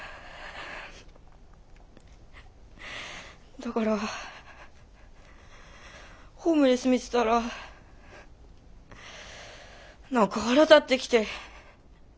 だからホームレス見てたら何か腹立ってきて。